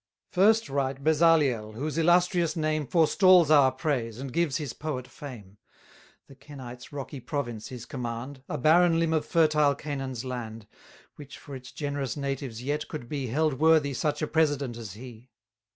940 First write Bezaliel, whose illustrious name Forestalls our praise, and gives his poet fame. The Kenites' rocky province his command, A barren limb of fertile Canaan's land; Which for its generous natives yet could be Held worthy such a president as he.